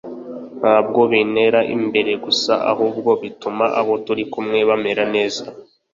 ntabwo bintera imbere gusa, ahubwo binatuma abo turi kumwe bamera neza